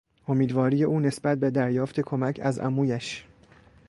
امیدواری او نسبت به دریافت کمک از عمویش